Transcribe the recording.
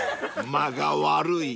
［間が悪い］